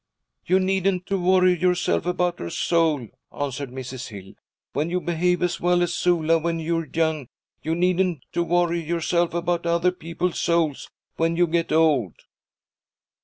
'You needn't to worry yourself about her soul,' answered Mrs. Hill. 'When you behave as well as Sula when you're young, you needn't to worry yourself about other people's souls when you get old.'